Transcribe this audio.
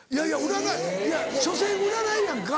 いやしょせん占いやんか。